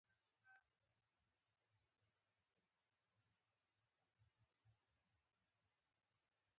د تيمم لپاره هم نسوم پورته کېداى.